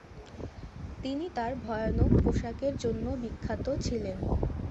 তিনি তার ভয়ানক পোশাকের জন্য বিখ্যাত ছিলেন।